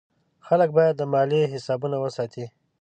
خلک باید د مالیې حسابونه وساتي.